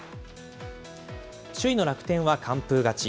首位の楽天は完封勝ち。